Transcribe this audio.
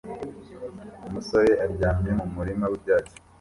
Umusore aryamye mu murima wibyatsi